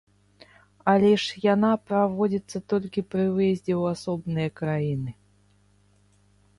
Але ж яна праводзіцца толькі пры выездзе ў асобныя краіны.